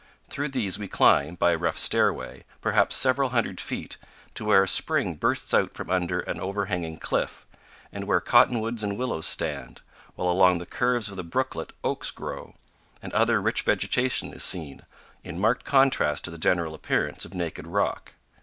Through these we climb, by a rough stairway, perhaps several hundred feet, to where a spring bursts out from under an overhanging cliff, and where cottonwoods and willows stand, while along the curves of the brooklet oaks grow, and other rich vegetation is seen, in marked contrast to the general appearance of naked rock.